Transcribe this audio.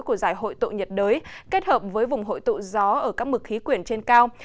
của giải hội tụ nhiệt đới kết hợp với vùng hội tụ gió ở các mực khí quyển trên cao